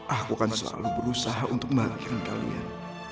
aku akan selalu berusaha untuk melakukannya kalian